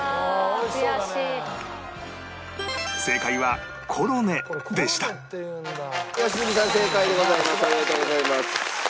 おめでとうございます。